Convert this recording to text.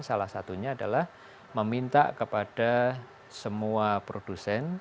salah satunya adalah meminta kepada semua produsen